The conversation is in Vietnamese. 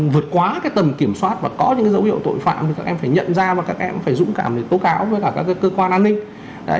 vượt quá tầm kiểm soát và có những dấu hiệu tội phạm thì các em phải nhận ra và các em phải dũng cảm để tố cáo với cả các cơ quan an ninh